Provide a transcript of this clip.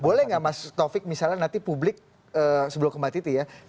boleh nggak mas taufik misalnya nanti publik sebelum kembali itu ya